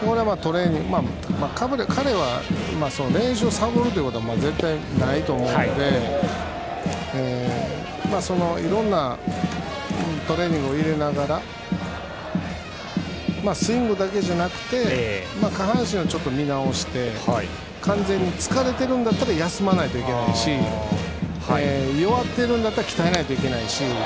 彼は練習をサボるということは絶対にないと思うのでいろんなトレーニングを入れながらスイングだけじゃなくて下半身をちょっと見直して完全に疲れてるんだったら休まないといけないし弱ってるんだったら鍛えないといけないし。